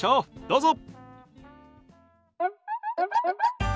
どうぞ。